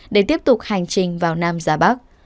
để tiếp tục hành trình vào nam giá bắc